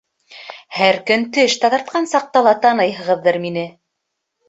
Һәр көн теш таҙартҡан саҡта ла таныйһығыҙҙыр мине.